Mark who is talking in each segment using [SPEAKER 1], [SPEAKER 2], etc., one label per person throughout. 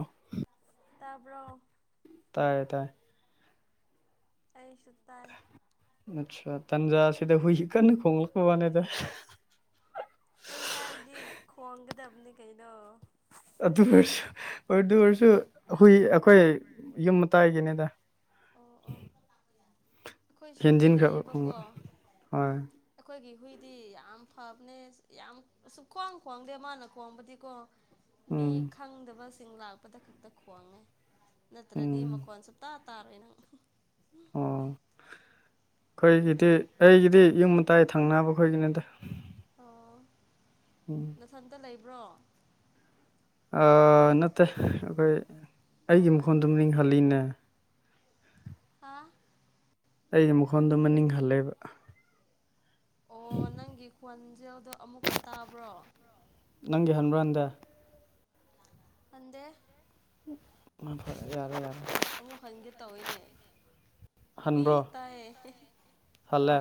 [SPEAKER 1] ꯑ [unintelligible]
[SPEAKER 2] ꯇꯥꯕ꯭ꯔꯣ
[SPEAKER 1] ꯇꯥꯏꯌꯦ ꯇꯥꯏ
[SPEAKER 2] ꯑꯩꯁꯨ ꯇꯥꯏ
[SPEAKER 1] ꯑꯆꯥ ꯇꯟꯖꯁꯤꯗ ꯍꯨꯏ ꯀꯟꯅ ꯈꯣꯡꯂꯛꯄꯕꯅꯦꯗ
[SPEAKER 2] ꯍꯨꯏ ꯍꯥꯏꯕꯗꯤ ꯈꯣꯡꯒꯗꯕꯅꯦ ꯀꯩꯅꯣ
[SPEAKER 1] ꯑꯗꯨ ꯑꯣꯏꯔꯁꯨ ꯑꯗꯨ ꯑꯣꯏꯔꯁꯨ ꯍꯨꯏ ꯑꯩꯈꯣꯏ ꯌꯨꯝ ꯃꯇꯥꯏꯒꯤꯅꯤꯗ
[SPEAKER 2] ꯑꯣ ꯑꯣ ꯑꯩꯈꯣꯏꯁꯨ ꯍꯨꯏ
[SPEAKER 1] ꯍꯦꯟꯖꯤꯟꯈ꯭ꯔꯕ
[SPEAKER 2] ꯂꯩꯌꯦꯕꯀꯣ
[SPEAKER 1] ꯈꯣꯡꯕ ꯍꯣꯏ
[SPEAKER 2] ꯑꯩꯈꯣꯏꯒꯤ ꯍꯨꯏ ꯗꯤ ꯌꯥꯝ ꯐꯕꯅꯦ ꯌꯥꯝ ꯑꯁꯨꯛ ꯈ꯭ꯋꯥꯡ ꯈꯣꯡꯗꯦ ꯃꯥꯅ ꯈꯣꯡꯕꯗꯤꯀꯣ ꯃꯤ
[SPEAKER 1] ꯎꯝ
[SPEAKER 2] ꯈꯪꯗꯕꯁꯤꯡ ꯂꯥꯛꯄꯗ ꯈꯛꯇ ꯈꯣꯡꯉꯦ ꯅꯠꯇ꯭ꯔꯗꯤ
[SPEAKER 1] ꯎꯝ
[SPEAKER 2] ꯃꯈꯣꯟ ꯁꯨ ꯇ ꯇꯥꯔꯣꯏꯅ
[SPEAKER 1] ꯑꯣ ꯑꯩꯈꯣꯏꯒꯤꯗꯤ ꯑꯩꯒꯤꯗꯤ ꯌꯨꯝ ꯃꯇꯥꯏ ꯊꯪꯅꯕ ꯑꯩꯈꯣꯏꯒꯤꯅꯤꯗ
[SPEAKER 2] ꯑꯣ
[SPEAKER 1] ꯎꯝ
[SPEAKER 2] ꯅꯊꯟꯇ ꯂꯩꯕ꯭ꯔꯣ
[SPEAKER 1] ꯑ ꯅꯠꯇꯦ ꯑꯩꯈꯣꯏ
[SPEAKER 2] ꯑꯣ
[SPEAKER 1] ꯑꯩꯒꯤ
[SPEAKER 2] ꯑꯣ
[SPEAKER 1] ꯃꯈꯣꯟꯗꯨꯝ ꯅꯤꯡꯍꯜꯂꯤꯅꯦ
[SPEAKER 2] ꯍꯥ
[SPEAKER 1] ꯑꯩꯒꯤ ꯃꯈꯣꯟꯗꯣ ꯃꯅꯤꯡ ꯍꯜꯂꯦꯕ
[SPEAKER 2] ꯑꯣ ꯅꯪꯒꯤ ꯈꯣꯟꯖꯦꯜꯗꯣ ꯑꯃꯨꯛꯀ ꯇꯥꯕ꯭ꯔꯣ
[SPEAKER 1] ꯈꯟꯔꯟꯗ [unintelligible]
[SPEAKER 2] ꯍꯟꯗꯦ
[SPEAKER 1] ꯎ ꯐ [unintelligible]
[SPEAKER 2] ꯑꯦ ꯑꯃꯨꯛ ꯍꯟꯒꯦ ꯇꯧꯑꯅꯦ ꯌꯤ ꯇꯌꯦ
[SPEAKER 1] ꯍꯂꯦ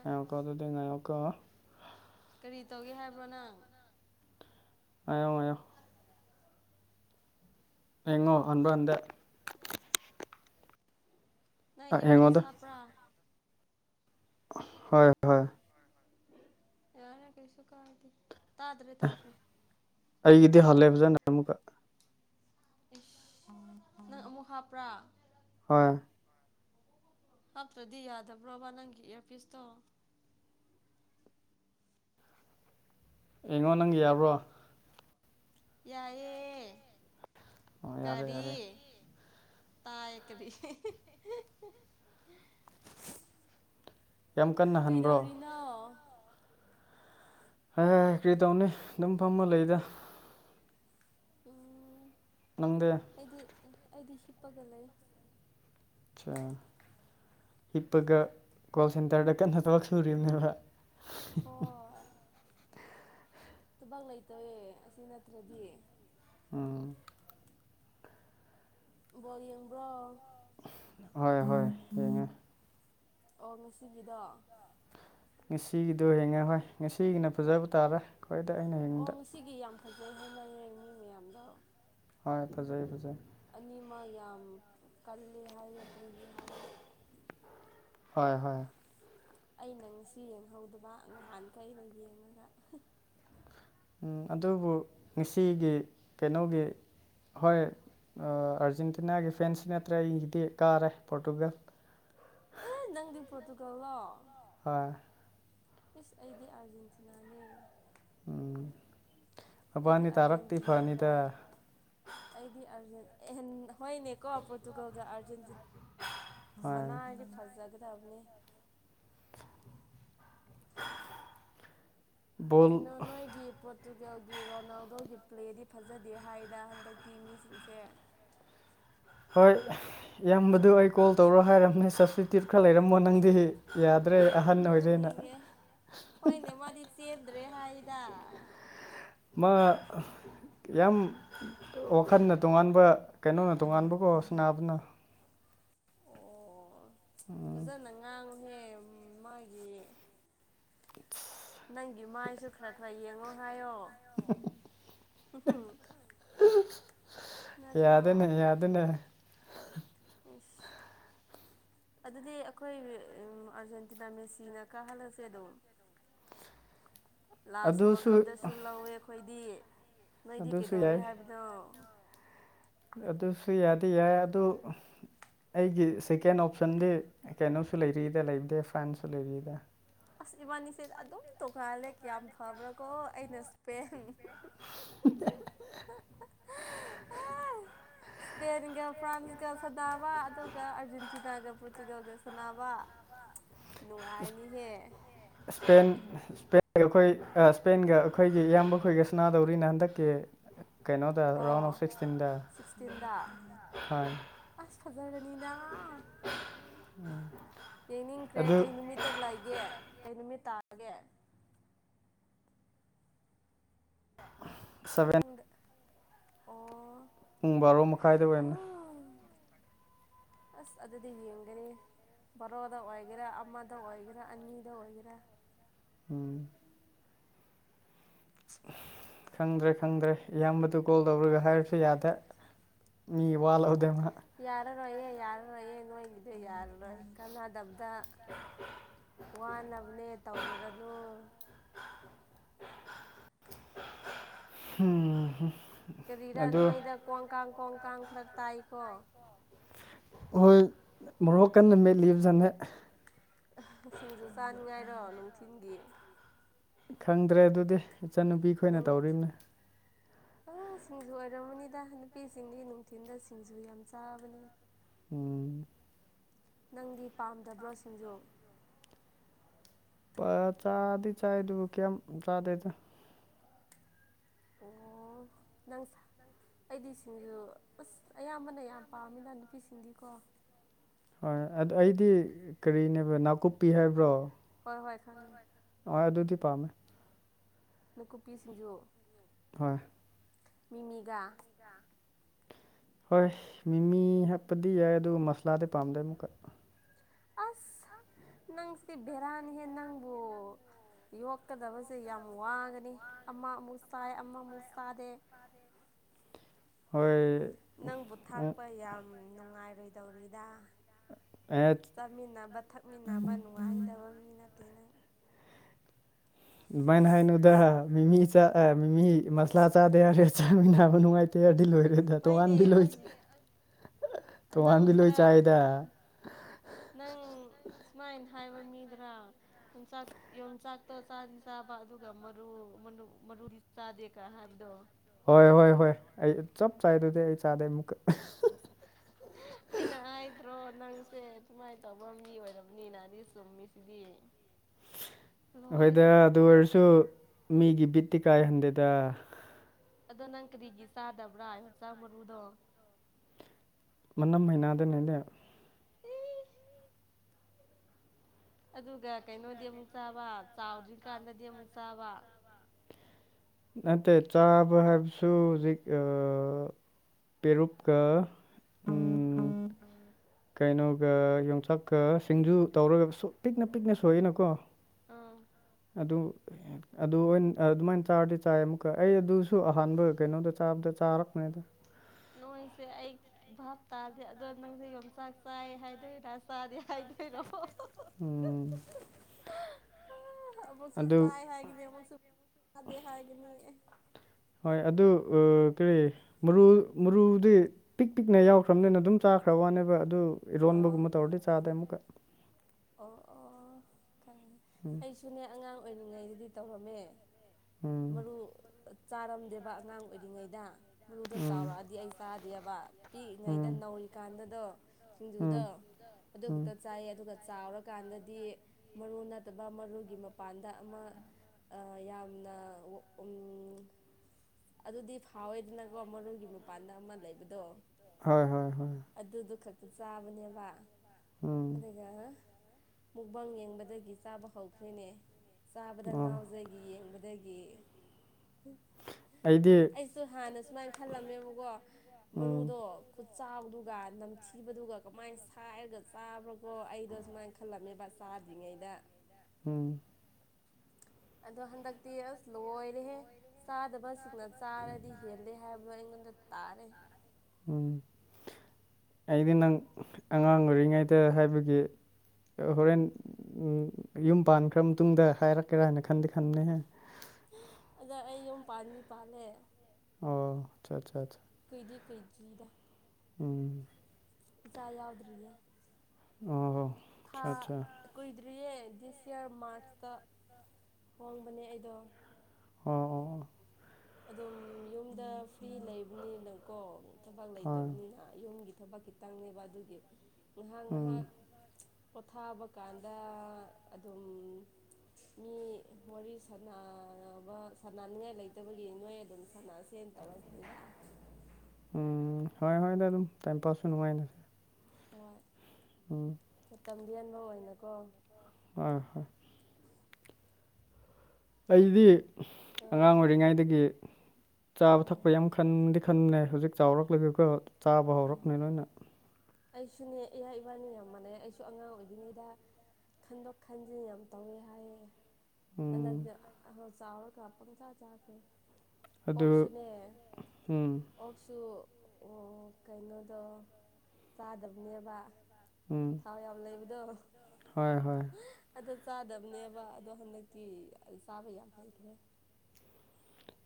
[SPEAKER 1] ꯉꯌꯣꯀ ꯑꯗꯨꯗꯤꯉꯀꯣ
[SPEAKER 2] ꯀꯔꯤ ꯇꯧꯒꯦ ꯍꯥꯏꯕ꯭ꯔꯣ ꯅꯪ
[SPEAKER 1] ꯉꯑꯣ ꯉꯑꯣ ꯌꯦꯉꯣ ꯑꯕꯗ [unintelligible]
[SPEAKER 2] ꯅ ꯏꯌꯔ ꯄꯤꯁ ꯍꯥꯄ꯭ꯔꯥ
[SPEAKER 1] ꯍꯣꯏ ꯍꯣꯏ
[SPEAKER 2] ꯌꯥꯅ ꯀꯩꯁꯨꯨ ꯀꯗꯦ
[SPEAKER 1] ꯑꯩꯒꯤꯗꯤ ꯍꯜꯂꯦ ꯐꯖꯅ ꯑꯃꯨꯛꯀ
[SPEAKER 2] ꯅꯪ ꯑꯃꯨꯛ ꯍꯥꯞꯄ꯭ꯔꯥ
[SPEAKER 1] ꯍꯣꯏ
[SPEAKER 2] ꯍꯥꯞꯇ꯭ꯔꯗꯤ ꯌꯥꯗꯕ꯭ꯔꯣꯕ ꯅꯪꯒꯤ ꯏꯌꯥꯔ ꯄꯤꯁꯇꯣ
[SPEAKER 1] ꯑꯩꯡꯉꯣ ꯅꯪ ꯌꯥꯕ꯭ꯔꯣ
[SPEAKER 2] ꯌꯥꯏꯌꯦ
[SPEAKER 1] ꯑꯣ ꯌꯥꯔꯦ
[SPEAKER 2] ꯀꯔꯤ
[SPEAKER 1] ꯌꯥꯔꯦ
[SPEAKER 2] ꯇꯥ ꯀꯗꯤ
[SPEAKER 1] ꯌꯥꯝ ꯀꯟꯅ ꯍꯟꯕ꯭ꯔꯣ ꯍꯥꯏ ꯀꯩ ꯇꯧꯅꯤ ꯑꯗꯨꯝ ꯐꯝꯃ ꯂꯩꯗ
[SPEAKER 2] ꯎꯝ
[SPEAKER 1] ꯅꯪꯗꯦ
[SPEAKER 2] ꯑꯩꯗꯤꯁꯤꯄꯒ ꯂꯩ
[SPEAKER 1] ꯑꯆꯥ ꯍꯤꯞꯄꯒ ꯀꯣꯜ ꯁꯦꯟꯇꯔꯗ ꯀꯟꯅ ꯊꯕꯛ ꯁꯨꯔꯤꯕꯅꯦꯕ
[SPEAKER 2] ꯍꯣꯏ ꯊꯕꯛ ꯂꯩꯇꯧꯋꯦ ꯑꯁꯤ ꯅꯠꯇ꯭ꯔꯗꯤ
[SPEAKER 1] ꯑꯣ
[SPEAKER 2] ꯕꯣ ꯌꯦꯡꯕ꯭ꯔꯣ
[SPEAKER 1] ꯍꯣꯏ ꯍꯣꯏ ꯍꯉ
[SPEAKER 2] ꯑꯣ ꯉꯁꯤꯒꯤꯗ
[SPEAKER 1] ꯉꯁꯤꯒꯤꯗꯣ ꯍꯦꯡꯉꯦ ꯍꯣꯏ ꯉꯁꯤꯒꯤꯅ ꯐꯖꯕ ꯇꯥꯔꯦ ꯑꯩꯈꯣꯏꯗ ꯑꯩꯅ
[SPEAKER 2] ꯑꯣ
[SPEAKER 1] ꯍꯤꯡꯕꯗ
[SPEAKER 2] ꯉꯁꯤꯒꯤ ꯌꯥꯝ ꯐꯖꯩ ꯍꯥꯏꯅ ꯌꯦꯡ ꯃꯤ ꯃꯌꯥꯝꯗꯣ
[SPEAKER 1] ꯍꯣꯏ ꯐꯖꯩ ꯐꯖꯩ
[SPEAKER 2] ꯑꯅꯤꯃꯛ ꯌꯥꯝ ꯀꯜꯂ ꯍꯥꯏꯌꯦ ꯍꯩꯌꯦ ꯍꯥꯏꯌꯦ
[SPEAKER 1] ꯍꯣꯏ ꯍꯣꯏ
[SPEAKER 2] ꯑꯩꯅ ꯉꯁꯤ ꯌꯦꯡꯍꯧꯗꯕ ꯅꯍꯥꯟꯈꯩꯅ ꯌꯦꯡꯉꯒ
[SPEAKER 1] ꯎꯝ ꯑꯗꯨꯕꯨ ꯉꯁꯤꯒꯤ ꯀꯩꯅꯣꯒꯤ ꯍꯣꯏ ꯑꯥꯔꯖꯦꯟꯇꯤꯅꯥꯒꯤ ꯐꯦꯟꯁ ꯅꯠꯇ꯭ꯔꯦ ꯑꯩꯒꯤꯗꯤ ꯀꯥꯔꯦ ꯄꯣꯔꯇꯨꯒꯜ [unintelligible]
[SPEAKER 2] ꯑꯦ ꯅꯪꯗꯤ ꯄꯣꯔꯇꯨꯒꯜ ꯂꯣ
[SPEAKER 1] ꯍꯣꯏ
[SPEAKER 2] ꯏꯁ ꯑꯩꯗꯤ ꯑꯔꯖꯦꯟꯇꯤꯅꯥꯅꯦ
[SPEAKER 1] ꯎꯝ
[SPEAKER 2] ꯑꯩꯗꯤ
[SPEAKER 1] ꯃꯕꯥꯅꯤ ꯇꯥꯔꯛꯇꯤ
[SPEAKER 2] ꯑꯥꯔꯖꯦꯟꯇꯤꯅꯥꯒ
[SPEAKER 1] ꯐꯅꯤꯗ
[SPEAKER 2] ꯑꯩꯗꯤ ꯑꯔꯖꯦꯟ ꯑꯦꯍꯟ ꯍꯣꯏꯅꯦ ꯀꯣ ꯄꯣꯔꯇꯨꯒꯜꯒ ꯑꯔꯖꯦꯟꯇꯤ
[SPEAKER 1] ꯍꯣꯏ
[SPEAKER 2] ꯁꯅꯥꯗꯤ ꯐꯖꯒꯗꯕꯅꯤ
[SPEAKER 1] [unintelligible] ꯕꯣꯜ
[SPEAKER 2] ꯀꯩꯅꯣ ꯅꯣꯏꯒꯤ ꯄꯣꯠ ꯇꯨꯒꯦꯜꯒꯤ ꯔꯣꯅꯥꯜꯗꯣꯒꯤ ꯄ꯭ꯂꯦꯗꯤ ꯐꯖꯗꯦ ꯍꯥꯏꯗꯥ ꯍꯟꯗꯛꯇꯤ ꯃꯤꯁꯤꯡꯁꯦ
[SPEAKER 1] ꯍꯣꯏ ꯏꯌꯥꯝꯕꯗꯨ ꯑꯩ ꯀꯣꯜ ꯇꯧꯔꯣ ꯍꯥꯏꯔꯝꯅꯦ ꯆꯁꯤ [unintelligible] ꯈꯔ ꯂꯩꯔꯝꯃꯣ ꯅꯪꯗꯤ ꯌꯥꯗ꯭ꯔꯦ ꯑꯍꯟ ꯑꯣꯏꯔꯦꯅ
[SPEAKER 2] ꯅꯣꯛꯅꯤꯡꯉꯦ ꯗ꯭ꯔꯦ ꯍꯥꯏꯗꯥ꯫
[SPEAKER 1] ꯃꯥ ꯌꯥꯝ ꯋꯥꯈꯜꯅ ꯇꯣꯉꯥꯟꯕ ꯀꯩꯅꯣꯅ ꯇꯣꯉꯥꯟꯕꯀꯣ ꯁꯤꯅꯥꯕꯅ
[SPEAKER 2] ꯑꯣ ꯐꯖꯅ ꯉꯥꯡꯉꯨꯍꯦ ꯃꯥꯒꯤ ꯅꯪꯒꯤ ꯃꯥꯏꯁꯨ ꯈꯔ ꯈꯔ ꯌꯦꯡꯉꯣ ꯍꯥꯏꯌꯣ ꯎꯝ ꯍꯝ
[SPEAKER 1] ꯌꯥꯗꯦꯅꯦ ꯌꯥꯗꯦꯅꯦ
[SPEAKER 2] [inaudible] ꯑꯗꯨꯗꯤ ꯑꯩꯈꯣꯏ ꯑꯥꯔꯖꯦꯟꯇꯤꯅꯥ ꯃꯦꯁꯤꯅ ꯀꯥꯍꯜꯂꯁꯦ ꯑꯗꯨꯝ
[SPEAKER 1] [unintelligible]
[SPEAKER 2] ꯂꯥꯁ ꯋꯥꯔꯜ
[SPEAKER 1] ꯑꯗꯨꯁꯨ
[SPEAKER 2] ꯀꯞꯇꯁꯨ ꯂꯧꯋꯦ ꯑꯩꯈꯣꯏꯗꯤ ꯅꯣꯏꯗꯤ
[SPEAKER 1] ꯑꯗꯨꯁꯨ
[SPEAKER 2] ꯀꯩꯗꯧꯔꯦ
[SPEAKER 1] ꯌꯥꯏ
[SPEAKER 2] ꯍꯥꯏꯕꯅꯣ
[SPEAKER 1] ꯑꯗꯨꯁꯨ ꯌꯥꯗꯤ ꯌꯥꯏ ꯑꯗꯨ ꯑꯩꯒꯤ ꯁꯦꯀꯦꯟ ꯑꯣꯞꯁꯟꯗꯤ ꯀꯩꯅꯣꯁꯨ ꯂꯩꯔꯤꯗ ꯂꯩꯕꯗꯦ ꯐ꯭ꯔꯥꯟꯁꯨ ꯂꯩꯔꯤꯗ
[SPEAKER 2] ꯑꯁ ꯏꯕꯥꯅꯤꯁꯦꯗ ꯑꯗꯨꯝ ꯇꯣꯡꯉꯥꯜꯂꯦ ꯀꯌꯥꯝ ꯐꯕ꯭ꯔꯥ ꯀꯣ ꯑꯩꯅ ꯁꯄꯦꯟ
[SPEAKER 1] [unintelligible]
[SPEAKER 2] ꯏꯁꯄꯦꯟꯒ ꯐ꯭ꯔꯥꯟꯁꯀ ꯁꯅꯕ ꯑꯗꯨꯒ ꯑꯥꯔꯖꯦꯟꯇꯤꯅꯥꯒ ꯄꯣꯔꯇꯨꯒꯜꯒ ꯁꯅꯕ
[SPEAKER 1] [unintelligible]
[SPEAKER 2] ꯅꯨꯡꯉꯥꯏꯅꯤꯍꯦ
[SPEAKER 1] ꯏꯁꯄꯦꯟ ꯏꯁꯄ ꯑꯩꯈꯣꯏ ꯏꯁꯄꯦꯟꯒ ꯑꯩꯈꯣꯏꯒꯤ ꯏꯌꯥꯝꯕ ꯈꯣꯏꯒ ꯁꯅꯥꯗꯧꯔꯤꯅ ꯍꯟꯗꯛꯀꯤ ꯀꯩꯅꯣꯗ ꯔꯥꯎꯟ
[SPEAKER 2] ꯑꯣ
[SPEAKER 1] ꯑꯣꯄ ꯁꯤꯀꯁꯇꯤꯟꯗ
[SPEAKER 2] ꯐꯖꯔꯅꯤꯅꯥ
[SPEAKER 1] ꯎꯝ
[SPEAKER 2] ꯌꯦꯡꯅꯤꯡꯈ꯭ꯔꯦ ꯀꯩ ꯅꯨꯃꯤꯠꯇ ꯂꯩꯒꯦ ꯀꯩ ꯅꯨꯃꯤꯠ ꯇꯥꯒꯦ
[SPEAKER 1] ꯁꯚꯦꯟ
[SPEAKER 2] ꯈꯪꯗꯦ ꯑꯣ
[SPEAKER 1] ꯄꯨꯡ ꯕꯥꯔꯣ ꯃꯈꯥꯏꯗ ꯑꯣꯏꯔꯝꯅꯦ [inaudible]
[SPEAKER 2] ꯑꯁ ꯑꯗꯗꯤ ꯌꯦꯡꯒꯅꯤ ꯕꯥꯔꯣꯗ ꯑꯣꯏꯒꯦꯔꯥ ꯑꯃꯗ ꯑꯣꯏꯒꯦꯔꯥ ꯑꯅꯤꯗ ꯑꯣꯏꯒꯦꯔꯥ
[SPEAKER 1] ꯎꯝ ꯈꯪꯗ꯭ꯔꯦ ꯈꯪꯗ꯭ꯔꯦ ꯏꯌꯥꯝꯕꯗꯨ ꯀꯣꯜ ꯇꯧꯔꯒ ꯍꯥꯏꯔꯁꯨ ꯌꯥꯗꯦ ꯃꯤ ꯋꯥꯂꯧꯗꯦꯃꯥ
[SPEAKER 2] ꯔꯔꯣꯏꯌꯦ ꯌꯥꯔꯔꯣꯏꯌꯦ ꯅꯣꯏꯒꯤꯁꯦ ꯌꯥꯔꯔꯣꯏ ꯀꯥꯟꯅꯗꯕꯗ ꯋꯥꯅꯕꯅꯦ ꯇꯧꯔꯨꯔꯅꯨ
[SPEAKER 1] ꯍꯝ
[SPEAKER 2] ꯀꯔꯤꯔꯥ ꯅꯣꯏꯗ ꯀꯣꯟ ꯀꯥꯡ ꯀꯣꯡ ꯀꯥꯡ ꯈꯔ ꯇꯥꯏꯀꯣ
[SPEAKER 1] ꯍꯣꯏ ꯃꯔꯣꯛ ꯀꯟꯅ ꯃꯦꯠꯂꯤꯕꯖꯠꯅꯦ
[SPEAKER 2] ꯁꯤꯡꯁꯨ ꯆꯥꯅꯤꯡꯉꯥꯏꯔꯣ ꯅꯨꯡꯊꯤꯜꯒꯤ
[SPEAKER 1] ꯈꯪꯗ꯭ꯔꯦ ꯑꯗꯨꯗꯤ ꯏꯆꯟꯟꯅꯨꯄꯤ ꯈꯣꯏꯅ ꯇꯧꯔꯤꯕꯅꯦ
[SPEAKER 2] ꯑ ꯁꯤꯡꯖꯨ ꯑꯣꯏꯔꯝꯃꯅꯤꯗ ꯅꯨꯄꯤꯁꯤꯡꯗꯤ ꯅꯨꯡꯊꯤꯤꯟꯗ ꯁꯤꯡꯖꯨ ꯌꯥꯝ ꯆꯥꯕꯅꯦ
[SPEAKER 1] ꯎꯝ
[SPEAKER 2] ꯅꯪꯗꯤ ꯄꯥꯝꯗꯕ꯭ꯔ ꯁꯤꯡꯗꯨꯣ
[SPEAKER 1] ꯄ ꯆꯥꯗꯤ ꯆꯥꯏꯗꯨꯕꯨ ꯀꯌꯥ ꯆꯥꯗꯦꯗ [inaudible]
[SPEAKER 2] ꯑꯣ ꯅꯪ ꯑꯩꯗꯤ ꯁꯤꯡꯁꯨ ꯑꯁ ꯑꯌꯥꯝꯕꯅ ꯌꯥꯝ ꯄꯥꯝꯃꯤꯅ ꯅꯨꯄꯤꯁꯤꯡꯗꯤꯀꯣ
[SPEAKER 1] ꯍꯣꯏ ꯑꯗꯨ ꯑꯩꯗꯤ ꯀꯔꯤꯅꯦꯕ ꯅꯥꯀꯨꯞꯄꯤ ꯍꯥꯏꯕ꯭ꯔꯣ
[SPEAKER 2] ꯍꯣꯏ ꯍꯣꯏ ꯈꯉꯦ
[SPEAKER 1] ꯍꯣꯏ ꯑꯗꯨꯗꯤ ꯄꯥꯝꯃꯦ
[SPEAKER 2] ꯅꯨ ꯀꯨꯞꯄꯤꯤꯁꯤꯡꯖꯨ
[SPEAKER 1] ꯍꯣꯏ
[SPEAKER 2] ꯃꯤꯅꯤꯒꯥ
[SPEAKER 1] ꯍꯣꯏ ꯃꯤꯃꯤ ꯍꯥꯞꯄꯗꯤ ꯌꯥꯏ ꯑꯗꯨꯒ ꯃꯁꯂꯥꯗꯤ ꯄꯥꯝꯗꯩ ꯑꯃꯨꯛꯀ ꯑ
[SPEAKER 2] ꯅꯪ ꯁꯤ ꯕꯦꯔꯅꯤ ꯍ ꯅꯪꯕꯨ ꯌꯣꯛꯀꯗꯕꯁꯦ ꯌꯥꯝ ꯋꯥꯒꯅꯤ ꯑꯃ ꯑꯃꯨꯛ ꯆꯥꯏ ꯑꯃꯃꯨꯛ ꯆꯥꯗꯦ
[SPEAKER 1] ꯍꯣꯏ
[SPEAKER 2] ꯅꯪꯕꯨ
[SPEAKER 1] ꯑ-
[SPEAKER 2] ꯊꯥꯛꯄ ꯌꯥꯝ ꯅꯨꯡꯉꯥꯏꯔꯣꯏꯗꯧꯔꯤꯗ
[SPEAKER 1] ꯑꯦ
[SPEAKER 2] ꯆꯥꯃꯤꯟꯅꯕ ꯊꯛꯃꯤꯟꯅꯕ ꯅꯨꯡꯉꯥꯏꯒꯗꯕ ꯃꯤ ꯅꯠꯇꯦ ꯅꯪ
[SPEAKER 1] ꯑꯗꯨꯃꯥꯏꯅ ꯍꯥꯏꯅꯨꯗ ꯃꯤꯃꯤ ꯆꯥꯛꯑ ꯃꯤꯃꯤ ꯃꯁꯂꯥ ꯆꯥꯗꯦ ꯌꯥꯔꯦ ꯆꯥꯃꯤꯟꯅꯕ ꯅꯨꯡꯉꯥꯏꯇꯦ ꯍꯥꯏꯔꯗꯤ ꯂꯣꯏꯔꯦ ꯇ
[SPEAKER 2] ꯍꯣꯏꯅꯦ
[SPEAKER 1] ꯀꯥꯟꯗꯤ ꯂꯣꯏꯁꯦ
[SPEAKER 2] ꯑꯁ ꯅꯪ ꯈꯔ ꯅꯪ ꯁꯨꯃꯥꯏꯅ ꯍꯥꯏꯕ ꯃꯤꯗꯨꯔꯥ ꯌꯣꯡꯆꯥꯛ ꯌꯣꯡꯆꯥꯛꯇꯣ ꯆꯥꯗꯤ ꯆꯥꯕ ꯑꯗꯨꯒ ꯃꯔꯨ ꯃꯔ ꯃꯨꯔꯤꯁꯇꯥꯗꯦ ꯀ ꯍꯥꯏꯕꯗꯣ
[SPEAKER 1] ꯍꯣꯏ ꯍꯣꯏ ꯍꯣꯏ ꯑꯩ ꯆꯞ ꯆꯥꯏꯗꯨꯗꯤ ꯑꯩ ꯆꯥꯗꯦ ꯑꯃꯨꯛꯀ [inaudible]
[SPEAKER 2] ꯑꯩꯅ ꯍꯥꯏꯗ꯭ꯔꯣ ꯅꯪꯁꯦ ꯁꯨꯃꯥꯏꯅ ꯇꯧꯕ ꯃꯤ ꯑꯣꯏꯔꯕꯅꯤꯅꯗꯤ ꯆꯨꯝꯃꯤꯁꯤꯗꯤ
[SPEAKER 1] ꯑꯩꯈꯣꯏꯗ
[SPEAKER 2] ꯂꯣꯏꯔꯦ
[SPEAKER 1] ꯑꯗꯨ ꯑꯣꯏꯔꯁꯨ ꯃꯤꯒꯤ ꯕꯤꯠꯇꯤ ꯀꯥꯏꯍꯟꯗꯦꯗ
[SPEAKER 2] ꯑꯗꯣ ꯅꯪ ꯀꯔꯤꯒꯤ ꯆꯥꯗꯕ꯭ꯔꯥ ꯑꯩ ꯍꯞꯆꯥꯡ ꯃꯔꯨꯗꯣ
[SPEAKER 1] ꯃꯅꯝ ꯃꯅꯥꯗꯅꯦꯅꯦ
[SPEAKER 2] ꯑꯦ ꯑꯗꯨꯒ ꯀꯩꯅꯣꯗꯤ ꯑꯃꯨꯛ ꯆꯥꯕ ꯆꯥꯎꯗ꯭ꯔꯤꯀꯥꯟꯗꯗꯤ ꯑꯃꯨꯛ ꯆꯥꯕ
[SPEAKER 1] ꯅꯠꯇꯦ ꯆꯥꯕ ꯍꯥꯏꯕꯁꯨ ꯍꯧꯖꯤꯛ ꯄꯦꯔꯨꯨꯞꯀ
[SPEAKER 2] ꯎꯝ ꯎꯝ
[SPEAKER 1] ꯀꯩꯅꯣꯒ ꯌꯣꯡꯆꯥꯛꯀ ꯁꯤꯡꯖꯨ ꯇꯧꯔꯒ ꯄꯤꯛꯅ ꯄꯤꯛꯅ ꯁꯣꯛꯏꯅꯀꯣ
[SPEAKER 2] ꯑ
[SPEAKER 1] ꯑꯗꯨ ꯑꯗꯨ ꯑꯗꯨꯃꯥꯏꯅ ꯆꯥꯔꯗꯤ ꯆꯥꯏ ꯑꯃꯨꯛꯀ ꯑꯩ ꯑꯗꯨꯁꯨ ꯑꯍꯥꯟꯕ ꯀꯩꯅꯣꯗ ꯆꯥꯗ ꯆꯥꯔꯛꯄꯅꯤꯗ
[SPEAKER 2] ꯅꯪꯁꯦ ꯑꯩ ꯚꯥꯞ ꯇꯥꯗꯦ ꯑꯗꯣ ꯅꯪꯁꯦ ꯌꯣꯡꯆꯥꯛ ꯆꯥꯏ ꯍꯥꯏꯗꯣꯏꯔꯥ ꯆꯥꯗꯦ ꯍꯥꯏꯗꯣꯏꯔꯣ
[SPEAKER 1] ꯎꯝ
[SPEAKER 2] ꯑꯃꯨꯛꯁꯨ
[SPEAKER 1] ꯑꯗꯨ
[SPEAKER 2] ꯆꯥꯏ ꯍꯥꯏꯒꯅꯤ ꯑꯃꯨꯛꯁꯨꯗꯦ ꯍꯥꯏꯒꯅꯤ
[SPEAKER 1] ꯍꯣꯏ ꯑꯗꯨ ꯀꯔꯤ ꯃꯔꯨ ꯃꯔꯨꯗꯤ ꯄꯤꯛ ꯄꯤꯛꯅ
[SPEAKER 2] ꯎꯝ
[SPEAKER 1] ꯌꯥꯎꯈ꯭ꯔꯕꯅꯤꯅ ꯑꯗꯨꯝ ꯆꯥꯈ꯭ꯔꯕ ꯋꯥꯅꯦꯕ ꯑꯗꯨ
[SPEAKER 2] ꯑꯥ
[SPEAKER 1] ꯏꯔꯣꯟꯕꯒꯨꯝꯕ ꯇꯧꯔꯗꯤ ꯆꯥꯗꯦ ꯑꯃꯨꯛꯀ
[SPEAKER 2] ꯑꯣ ꯑꯣ
[SPEAKER 1] ꯎꯝ
[SPEAKER 2] ꯑꯩꯁꯨꯅꯦ ꯑꯉꯥꯡ ꯑꯣꯏꯔꯤꯉꯩꯗꯗꯤ ꯇꯧꯔꯝꯃꯦ
[SPEAKER 1] ꯎꯝ
[SPEAKER 2] ꯃꯔꯨ ꯆꯥꯔꯝꯗꯦꯕ ꯑꯉꯥꯡ ꯑꯣꯏꯔꯤꯉꯩꯗ ꯃꯔꯨꯗꯣ
[SPEAKER 1] ꯎꯝ
[SPEAKER 2] ꯆꯥꯎꯔꯛꯑꯗꯤ ꯑꯩ ꯆꯥꯗꯦꯕ ꯄꯤꯛꯏꯉꯩꯗ
[SPEAKER 1] ꯎꯝ
[SPEAKER 2] ꯅꯧꯔꯤꯀꯥꯟꯗꯗꯣ
[SPEAKER 1] ꯎꯝ
[SPEAKER 2] ꯁꯤꯡꯖꯨꯗꯣ ꯑꯗꯨ ꯈꯛꯇ
[SPEAKER 1] ꯎꯝ
[SPEAKER 2] ꯆꯥꯏꯌꯦ ꯑꯗꯨꯒ ꯆꯥꯎꯔꯀꯥꯟꯗꯗꯤ ꯃꯔꯨ ꯅꯠꯇꯕ ꯃꯔꯨꯒꯤ ꯃꯄꯥꯟꯗ ꯑꯃ ꯌꯥꯝꯅ ꯑꯗꯨꯗꯤ ꯐꯥꯎꯋꯦꯗꯅꯀꯣ ꯃꯔꯣꯏꯒꯤ ꯃꯄꯥꯟꯗ ꯑꯃ ꯂꯩꯕꯗꯣ
[SPEAKER 1] ꯍꯣꯏ ꯍꯣꯏ ꯍꯣꯏ
[SPEAKER 2] ꯑꯗꯨꯗꯣ ꯈꯛꯇ ꯆꯥꯕꯅꯦꯕ
[SPEAKER 1] ꯎꯝ
[SPEAKER 2] ꯑꯗꯨꯒ ꯃꯨꯛꯕꯪ ꯌꯦꯡꯕꯗ ꯑꯗꯨ ꯗꯗꯒꯤ ꯆꯥꯕ ꯍꯧꯈ꯭ꯔꯦꯅꯦ ꯆꯥꯕꯗ
[SPEAKER 1] ꯑꯣ
[SPEAKER 2] ꯉꯥꯎꯖꯈꯤ ꯌꯦꯡꯕꯗꯒꯤ ꯎ
[SPEAKER 1] ꯑꯩꯗꯤ
[SPEAKER 2] ꯑꯩꯁꯨ ꯍꯥꯟꯅ ꯁꯨꯃꯥꯏꯅ ꯈꯜꯂꯝꯃꯦꯕꯀꯣ
[SPEAKER 1] ꯎꯝ
[SPEAKER 2] ꯃꯔꯨꯗꯣ ꯈꯨꯠꯆꯗ ꯑꯗꯨꯒ ꯅꯝꯊꯤꯕꯗꯨꯒ ꯀꯃꯥꯏꯅ ꯁꯥꯏꯔꯒ ꯆꯥꯕ꯭ꯔꯥꯒꯣ ꯑꯩꯗꯣ ꯁꯨꯃꯥꯏꯅ ꯈꯜꯂꯝꯃꯦꯕ ꯆꯥꯗ ꯍꯧꯔꯤꯉꯩꯗ
[SPEAKER 1] ꯎꯝ
[SPEAKER 2] ꯑꯗꯣ ꯍꯟꯗꯛꯇꯤ ꯑꯁ ꯂꯣꯏꯔꯦꯍꯦ ꯆꯥꯗꯕꯁꯤꯡꯅ ꯆꯥꯔꯗꯤ ꯍꯦꯜꯂꯦ ꯍꯥꯏꯕꯗꯣ ꯑꯩꯉꯣꯟꯗ ꯇꯥꯔꯦ
[SPEAKER 1] ꯎꯝ ꯑꯩꯗꯤ ꯅꯪ ꯑꯉꯥꯡ ꯑꯣꯏꯔꯤꯉꯩꯗ ꯍꯥꯏꯕꯒꯤ ꯍꯣꯔꯦꯟ ꯎ ꯌꯨꯝ ꯄꯥꯟꯈ꯭ꯔ ꯃꯇꯨꯡꯗ ꯍꯥꯏꯔꯛꯀꯦꯔꯥ ꯍꯥꯏꯅ ꯈꯟꯗꯦ ꯈꯅꯦ
[SPEAKER 2] ꯄꯥꯟꯅꯤ ꯄꯥꯂꯦ
[SPEAKER 1] ꯑꯣ ꯑꯆꯥ ꯑꯠꯆꯥ ꯑ
[SPEAKER 2] ꯆꯗ
[SPEAKER 1] ꯎꯝ
[SPEAKER 2] ꯏꯁꯆꯥꯥ ꯌꯥꯎꯗꯔꯤꯌꯦ
[SPEAKER 1] ꯑ ꯑꯆꯥ ꯑꯠꯆꯥ
[SPEAKER 2] ꯇ꯭ꯔꯤꯌꯦ ꯗꯤꯁ ꯌꯌꯥꯔ ꯃꯥꯔꯆꯇ ꯍꯣꯡꯕꯅꯦ ꯑꯩꯗꯣ
[SPEAKER 1] ꯑꯣ ꯑꯣ
[SPEAKER 2] ꯑꯗꯨꯝ ꯌꯨꯝꯗ ꯐ꯭ꯔꯤ ꯂꯩꯕꯅꯤꯅꯀꯣ ꯊꯕꯥꯛ
[SPEAKER 1] ꯍꯣꯏ
[SPEAKER 2] ꯂꯩꯇꯕꯅꯤꯅ ꯌꯨꯝꯒꯤ ꯊꯕꯛ ꯈꯤꯇꯪꯅꯦꯕ ꯑꯗꯨꯒꯤ ꯉꯥꯏꯍꯥꯛ
[SPEAKER 1] ꯎꯝ
[SPEAKER 2] ꯉꯥꯏꯍꯥꯛ ꯄꯣꯊꯥꯕ ꯀꯥꯟꯗ ꯑꯗꯨꯝ ꯃꯤ ꯋꯥꯔꯤ ꯁꯥꯟꯅꯕ ꯁꯥꯟꯅꯅꯤꯡꯉꯥꯏ ꯂꯩꯇ ꯅꯠꯇꯕꯒꯤ ꯅꯣꯏ ꯑꯗꯨꯝ ꯁꯅ ꯁꯦꯟ ꯇꯧꯔꯛꯄꯅꯤꯗ
[SPEAKER 1] ꯎꯝ ꯍ ꯍ ꯏꯝ ꯇꯥꯏꯝ ꯄꯥꯁꯁꯨ ꯅꯅꯨꯡꯉꯥꯏꯅꯦ
[SPEAKER 2] ꯍ
[SPEAKER 1] ꯑꯣ
[SPEAKER 2] ꯌꯦꯦꯟꯕ ꯑꯣꯏꯅꯀꯣ
[SPEAKER 1] ꯍꯣꯏ ꯍꯣꯏ ꯑꯩꯗꯤ
[SPEAKER 2] ꯑꯥ
[SPEAKER 1] ꯑꯉꯥꯡ ꯑꯣꯏꯔꯤꯉꯩꯗꯒꯤ ꯆꯥꯕ ꯊꯛꯄ
[SPEAKER 2] ꯎꯝ
[SPEAKER 1] ꯌꯥꯝ ꯈꯟ ꯈꯟꯅꯦ ꯍꯧꯖꯤꯛ ꯆꯥꯎꯔꯛꯂꯒꯒ ꯆꯥꯕ ꯍꯧꯔꯛꯅꯦ ꯂꯣꯏꯅ
[SPEAKER 2] ꯑꯩꯁꯨꯅꯦ ꯏꯌꯥ ꯏꯕꯥꯅꯤ ꯌꯥꯝ ꯃꯥꯟꯅꯩ ꯑꯩꯁꯨ ꯑꯉꯥꯡ ꯑꯣꯏꯔꯤꯉꯩꯗ ꯈꯟꯗꯣꯛ ꯈꯟꯖꯤ ꯌꯥꯝ ꯇꯧꯋꯦ ꯍꯥꯏꯌꯦ ꯍꯗ
[SPEAKER 1] ꯎꯝ
[SPEAKER 2] ꯆꯥꯎꯔ ꯀꯄꯪ ꯆꯥ ꯆꯥ
[SPEAKER 1] ꯑꯗꯨ
[SPEAKER 2] ꯀꯁꯨꯅꯦ
[SPEAKER 1] ꯎꯝ
[SPEAKER 2] ꯀꯁꯨ ꯎ ꯀꯩꯅꯣꯗꯣ ꯆꯥꯗꯕꯅꯦꯕ
[SPEAKER 1] ꯎꯝ
[SPEAKER 2] ꯊꯥꯎ ꯌꯥꯝ ꯂꯩꯕꯗꯣ
[SPEAKER 1] ꯍꯣꯏ ꯍꯣꯏ
[SPEAKER 2] ꯑꯗꯣ ꯆꯥꯗꯕꯅꯦꯕ ꯑꯗꯣ ꯍꯟꯗꯛꯇꯤ ꯆꯥꯕ ꯌꯥꯝ ꯍꯩꯈ꯭ꯔꯦ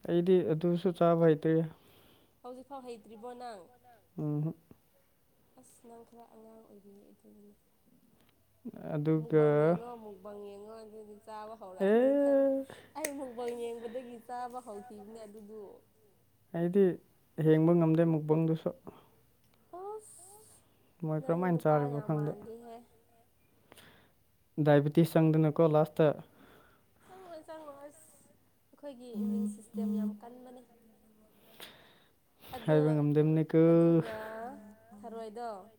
[SPEAKER 1] ꯑꯩꯗꯤ ꯑꯗꯨꯁꯨ ꯆꯥꯕ ꯍꯩꯇ꯭ꯦ
[SPEAKER 2] ꯍꯧꯖꯤꯛꯐꯥꯎ ꯍꯩꯇ꯭ꯔꯤꯕꯣ ꯅꯪ
[SPEAKER 1] ꯑ
[SPEAKER 2] ꯑꯁ ꯅꯪ ꯈꯔ ꯑꯉꯥꯡ ꯑꯣꯏꯔꯤꯌꯦ ꯑꯗꯨꯒꯤꯅꯦ
[SPEAKER 1] ꯑꯗꯨꯒ
[SPEAKER 2] ꯅꯣꯏ ꯑꯗꯨꯗꯤ ꯆꯥꯕ
[SPEAKER 1] ꯑꯦ
[SPEAKER 2] ꯍꯧꯔꯛꯑꯅꯤꯅꯪ ꯑꯩ ꯕꯜ ꯌꯦꯡꯕꯗꯒꯤ ꯆꯥꯕ ꯍꯧꯈꯤꯕꯅꯦ ꯑꯗꯨꯗꯨ
[SPEAKER 1] ꯑꯩꯗꯤ ꯍꯦꯡꯕ ꯉꯝꯗꯦ ꯃꯨꯛꯄꯪꯗꯨꯁꯨ
[SPEAKER 2] ꯑ
[SPEAKER 1] ꯃꯣꯏ ꯀꯔꯝꯍꯥꯏꯅ ꯆꯥꯔꯤꯕꯅꯣ ꯈꯪꯗꯦ ꯗꯥꯏꯕꯦꯇꯤꯁ ꯆꯪꯗꯅꯀꯣ ꯂꯥꯁꯇ
[SPEAKER 2] ꯆꯪꯉꯣꯏ ꯆꯪꯉꯣꯏ ꯑꯩꯈꯣꯏꯒꯤ ꯏꯃ꯭ꯌꯨꯟ ꯁꯤꯁꯇꯦꯝ ꯌꯥꯝ ꯀꯟꯕꯅꯦ
[SPEAKER 1] ꯍꯥꯏꯕ
[SPEAKER 2] ꯑꯗꯣ
[SPEAKER 1] ꯉꯝꯗꯅꯤꯀ
[SPEAKER 2] ꯑꯗꯨꯒ ꯊꯔꯣꯏꯗꯣ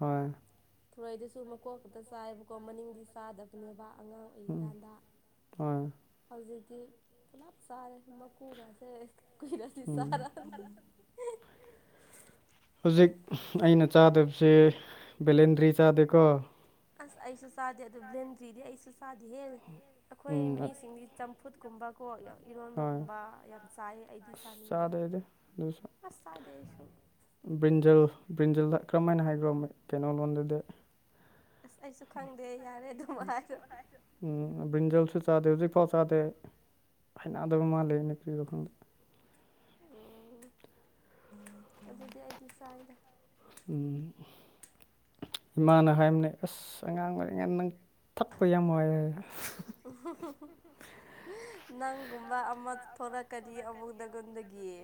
[SPEAKER 1] ꯍꯣꯏ
[SPEAKER 2] ꯊꯨꯔꯩꯗꯨꯁꯨ ꯃꯀꯣꯛꯇꯇ ꯆꯥꯏꯕꯀꯣ ꯃꯅꯤꯡꯗꯤ ꯆꯥꯗꯕꯅꯦꯕ ꯑꯉꯥꯡ
[SPEAKER 1] ꯎꯝ
[SPEAKER 2] ꯑꯣꯏꯔꯤꯀꯥꯟꯗ
[SPEAKER 1] ꯍꯣꯏ
[SPEAKER 2] ꯍꯧꯖꯤꯛ ꯑꯗꯤ ꯄꯨꯂꯥꯞ ꯆꯥꯔꯦ ꯃꯀꯨꯒꯥꯁꯦ ꯀꯨꯏꯔꯁꯨ
[SPEAKER 1] ꯎꯝ
[SPEAKER 2] ꯆꯔꯅꯤ
[SPEAKER 1] ꯍꯧꯖꯤꯛ ꯑꯩꯅ ꯆꯥꯗꯕꯁꯦ ꯕꯦꯂꯦꯟꯗ꯭ꯔꯤ ꯆꯥꯗꯦꯀꯣ
[SPEAKER 2] ꯑꯁ ꯑꯩꯁꯨ ꯆꯥꯗꯦ ꯑꯗꯨ ꯕ꯭ꯂꯦꯟꯗ꯭ꯔꯤꯗꯤ ꯑꯩꯁꯨ ꯆꯥꯗꯦ ꯍꯦ ꯑꯩꯈꯣꯏ
[SPEAKER 1] ꯎꯝ
[SPEAKER 2] ꯃꯤꯁꯤꯡꯗꯤ ꯆꯝꯐꯨꯠ ꯀꯨꯝꯕ ꯀꯣ ꯑꯣꯏꯜ
[SPEAKER 1] ꯍꯣꯏ
[SPEAKER 2] ꯏꯔꯣꯟꯕꯒꯨꯝꯕ ꯌꯥꯝ ꯆꯥꯏꯌꯦ ꯑꯩꯗꯤ
[SPEAKER 1] ꯑꯁ
[SPEAKER 2] ꯆꯥꯅꯤꯡꯗꯦ
[SPEAKER 1] ꯆꯥꯗꯦ ꯑꯩꯗꯤ ꯑꯗꯨꯁꯨ
[SPEAKER 2] ꯑꯁ ꯆꯥꯗꯦ ꯑꯩꯁꯨ
[SPEAKER 1] ꯕ꯭ꯔꯤꯟꯖꯜ ꯕ꯭ꯔꯤꯟꯖꯜꯗ ꯀꯔꯝ ꯍꯥꯏꯅ ꯍꯥꯏꯈ꯭ꯔꯣ ꯀꯩꯅꯣ ꯂꯣꯟꯗꯨꯗꯤ
[SPEAKER 2] ꯑꯁ ꯑꯩꯁꯨ ꯈꯪꯗꯦ ꯌꯥꯔꯦ ꯑꯗꯨꯝ ꯍꯥꯏꯔꯣ
[SPEAKER 1] ꯎꯝ ꯐꯗꯦꯜꯁꯨ ꯆꯥꯗꯦ ꯍꯧꯖꯤꯛꯐꯥꯎ ꯆꯥꯗꯦ ꯍꯅꯗꯕ ꯃꯥꯜꯂꯤ ꯀ꯭ꯔꯤꯗꯣ ꯈꯪꯗꯦ
[SPEAKER 2] ꯑꯣ ꯑꯗꯨꯗꯤ ꯑꯩꯗꯤ ꯆꯥꯏꯗ
[SPEAKER 1] ꯎꯝ ꯏꯃꯥꯅ ꯍꯥꯏꯔꯝꯅꯦ ꯑꯁ ꯑꯉꯥꯡ ꯑꯣꯏꯔꯤꯉ ꯅꯪ ꯊꯛꯄ ꯌꯥꯝ ꯅꯨꯡꯉꯥꯏ
[SPEAKER 2] ꯅꯪꯒꯨꯝꯕ ꯑꯃ ꯊꯣꯔꯛꯀꯗꯤ ꯑꯃꯨꯛꯗꯒꯣꯟꯗꯒꯤꯦ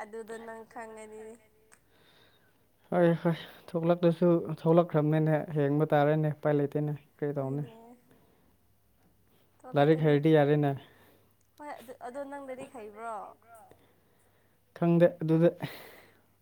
[SPEAKER 2] ꯑꯗꯨ ꯑꯗꯨꯗ ꯅꯪ ꯈꯪꯅꯤꯅꯤ
[SPEAKER 1] ꯍꯣꯏ ꯍꯣꯏ ꯊꯣꯛꯂꯛꯂꯁꯨ ꯊꯣꯛꯂꯛꯈ꯭ꯔꯕꯅꯤꯅꯦ ꯍꯦꯡꯕ ꯇꯥꯔꯦꯅꯦ ꯏꯄꯥꯏ ꯂꯩꯇꯦꯅꯦ ꯀꯔꯤ ꯇꯧꯅꯤ
[SPEAKER 2] ꯑꯣꯏꯅꯦ
[SPEAKER 1] ꯂꯥꯏꯔꯤꯛ
[SPEAKER 2] ꯊꯣꯛꯣꯂꯛꯀꯅꯤ
[SPEAKER 1] ꯍꯩꯔꯗꯤ ꯌꯥꯔꯦꯅꯦ
[SPEAKER 2] ꯍꯣꯏ ꯑꯗꯨ ꯑꯗꯣ ꯅꯪꯗꯗꯤ ꯍꯩꯕ꯭ꯔꯣ
[SPEAKER 1] ꯈꯪꯗꯦ ꯑꯗꯨꯗ